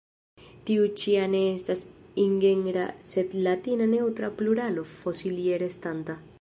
Tiu ĉi a ne estas ingenra sed latina neŭtra pluralo fosilie restanta.